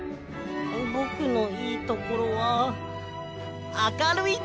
ぼくのいいところはあかるいところです！